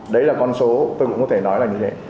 đấy là con số tôi cũng có thể nói là như thế